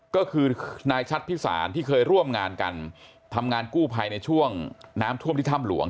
ก็คือนายชัดพิสารที่เคยร่วมงานกันทำงานกู้ภัยในช่วงน้ำท่วมที่ถ้ำหลวง